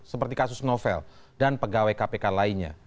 seperti kasus novel dan pegawai kpk lainnya